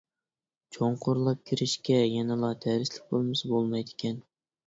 چوڭقۇرلاپ كىرىشكە يەنىلا دەرسلىك بولمىسا بولمايدىكەن.